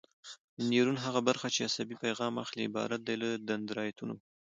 د نیورون هغه برخه چې عصبي پیغام اخلي عبارت دی له دندرایتونو.